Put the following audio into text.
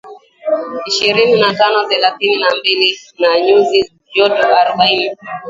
ishirini na tano na thelathini na mbili na nyuzi joto arobaini